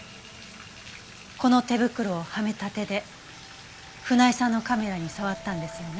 この手袋をはめた手で船井さんのカメラに触ったんですよね？